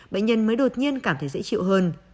bệnh nhân mới đột nhiên cảm thấy dễ chịu hơn